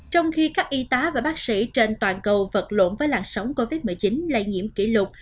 trong khi các y tá và bác sĩ trên toàn cầu vật lộn với làn sóng covid một mươi chín lây nhiễm kỷ lục